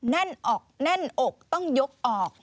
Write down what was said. แน่นออกแน่นอกต้องยกออก